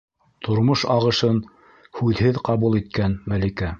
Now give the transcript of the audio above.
Тормош ағышын һүҙһеҙ ҡабул иткән Мәликә: